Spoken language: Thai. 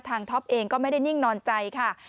ท็อปเองก็ไม่ได้นิ่งนอนใจค่ะ